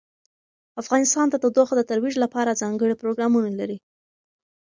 افغانستان د تودوخه د ترویج لپاره ځانګړي پروګرامونه لري.